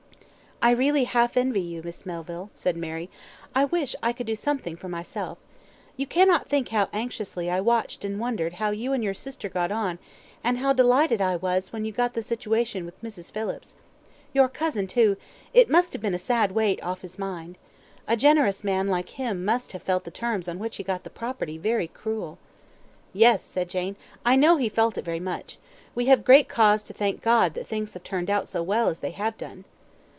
"I really half envy you, Miss Melville," said Mary. "I wish I could do something for myself. You cannot think how anxiously I watched and wondered how you and your sister got on, and how delighted I was when you got the situation with Mrs. Phillips. Your cousin too it must have been a sad weight off his mind. A generous man like him must have felt the terms on which he got the property very cruel." "Yes," said Jane, "I know he felt it very much. We have great cause to thank God that things have turned out so well as they have done."